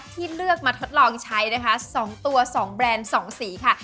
ที่เลือกมาทดลองใช้นะคะ๒ตัว๒แบรนด์๒สีค่ะ